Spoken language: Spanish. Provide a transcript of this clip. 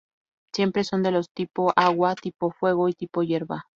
Siempre son de los tipo agua, tipo fuego y tipo hierba.